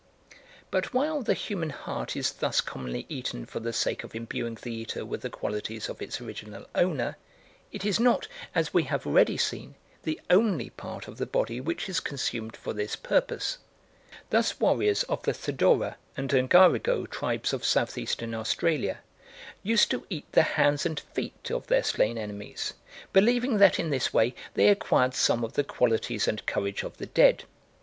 But while the human heart is thus commonly eaten for the sake of imbuing the eater with the qualities of its original owner, it is not, as we have already seen, the only part of the body which is consumed for this purpose. Thus warriors of the Theddora and Ngarigo tribes of South Eastern Australia used to eat the hands and feet of their slain enemies, believing that in this way they acquired some of the qualities and courage of the dead.